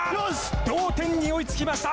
同点に追いつきました。